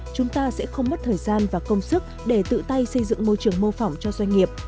chúng ta sẽ không mất thời gian và công sức để tự tay xây dựng môi trường mô phỏng cho doanh nghiệp